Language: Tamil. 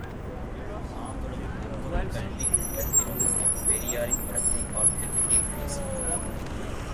நாங்களும், ஒவ்வொரு கல்விக் கூடத்திலும் அப் பெரியாரின் படத்தைப் பார்த்துவிட்டே உள்ளே சென்றோம்.